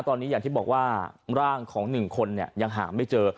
ตอนนี้อยากที่บอกว่าร่างของหนึ่งคนเนี่ยยังหายไม่เจอ